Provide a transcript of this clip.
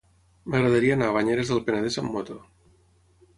M'agradaria anar a Banyeres del Penedès amb moto.